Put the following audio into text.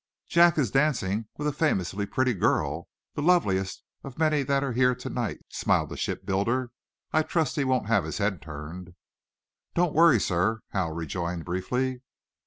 "Jack is dancing with a famously pretty girl the loveliest of many that are here to night," smiled the shipbuilder. "I trust he won't have his head turned." "Don't worry, sir," Hal rejoined, briefly.